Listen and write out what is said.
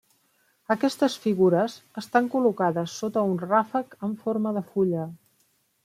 Aquestes figures estan col·locades sota un ràfec en forma de fulla.